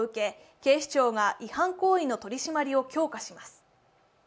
警視庁が違反行為の取り締まりを強化します。